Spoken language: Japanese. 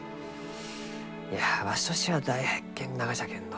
いやわしとしては大発見ながじゃけんど。